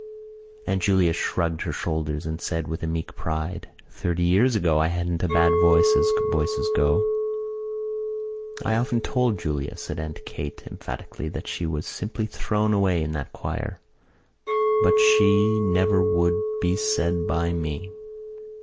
Aunt Julia shrugged her shoulders and said with meek pride: "Thirty years ago I hadn't a bad voice as voices go." "I often told Julia," said Aunt Kate emphatically, "that she was simply thrown away in that choir. But she never would be said by me."